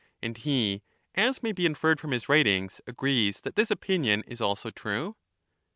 And he, as may be inferred from his writings, agrees that this opinion is also true.